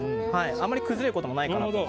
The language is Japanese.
あんまり崩れることもないかなと。